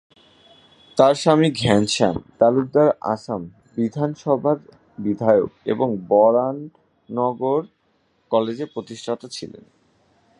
তার স্বামী ঘনশ্যাম তালুকদার আসাম বিধানসভার বিধায়ক এবং বরানগর কলেজের প্রতিষ্ঠাতা ছিলেন।